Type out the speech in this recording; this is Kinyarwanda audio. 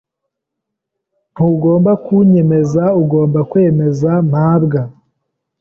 Ntugomba kunyemeza. Ugomba kwemeza mabwa.